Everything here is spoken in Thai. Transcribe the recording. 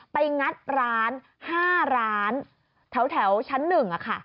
งัดร้าน๕ร้านแถวชั้น๑ค่ะ